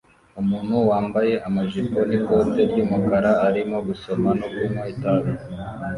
Umuntu wambaye amajipo n'ikote ry'umukara arimo gusoma no kunywa itabi